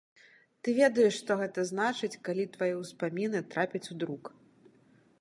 Ты ведаеш, што гэта значыць, калі твае ўспаміны трапяць у друк.